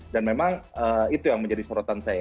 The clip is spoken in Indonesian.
dan memang itu yang menjadi sorotan saya